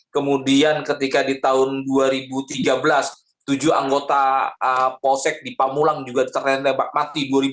kemudian ketika di tahun dua ribu tiga belas tujuh anggota polsek di pamulang juga ternyata mati